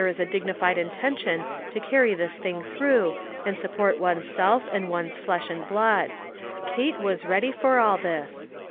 349 is a dignified intention to carry this thing through, and support one's self and one's flesh and blood. Kate was ready for all this.